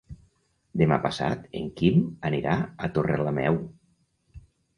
Demà passat en Quim anirà a Torrelameu.